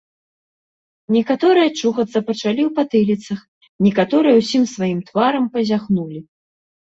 Некаторыя чухацца пачалі ў патыліцах, некаторыя ўсім сваім тварам пазяхнулі.